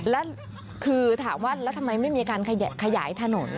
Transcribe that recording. แล้วคือถามว่าแล้วทำไมไม่มีการขยายถนน